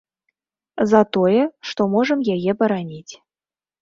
За тое, што можам яе бараніць.